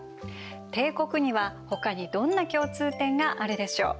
帝国にはほかにどんな共通点があるでしょう？